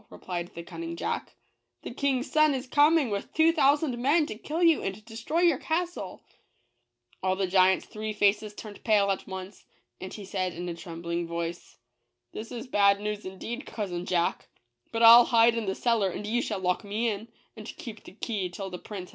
replied the cun ning Jack " the King's son is coming, with two thousand men, to kill you and destroy your castle !" All the giant's three faces turned pale at once ; and he said, in a trem bling voice, " This is bad news, indeed, cousin Jack; but I'll hide in the cellar and you shall lock me in, and keep the key till the prince TACK BRINGS BAD NEWS TO HIS *' UNCLE.